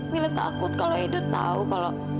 mila takut kalau itu tahu kalau